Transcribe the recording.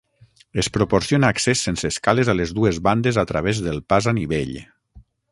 Es proporciona accés sense escales a les dues bandes a través del pas a nivell.